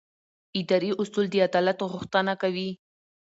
اداري اصول د عدالت غوښتنه کوي.